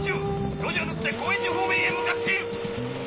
路地を縫って高円寺方面へ向かっている！